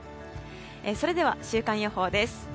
それでは週間予報です。